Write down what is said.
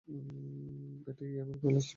এটাই ইএমের pulse track করে।